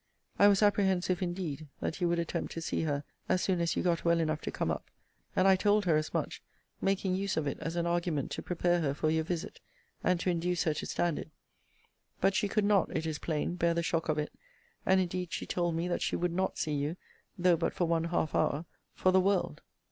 I was apprehensive, indeed, that you would attempt to see her, as soon as you got well enough to come up; and I told her as much, making use of it as an argument to prepare her for your visit, and to induce her to stand it. But she could not, it is plain, bear the shock of it: and indeed she told me that she would not see you, though but for one half hour, for the world.